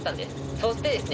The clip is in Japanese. そしてですね